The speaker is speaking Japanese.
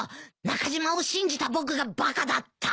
中島を信じた僕がバカだった。